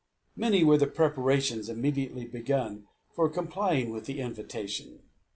Many were the preparations immediately begun for complying with the invitation.